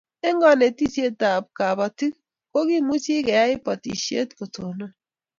Eng' kanetishet ab kabatik ko kimuchi keyai botishet ko tonon